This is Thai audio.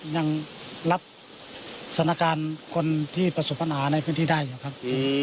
ยังรับสถานการณ์คนที่ประสบปัญหาในพื้นที่ได้อยู่ครับ